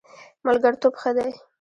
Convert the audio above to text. ملګرتوب ښه دی.